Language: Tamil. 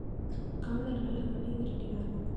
காவலர்கள் அவனை விரட்டினார்கள்.